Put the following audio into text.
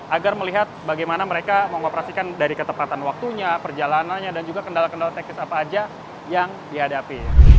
agar melihat bagaimana mereka mengoperasikan dari ketepatan waktunya perjalanannya dan juga kendala kendala teknis apa saja yang dihadapi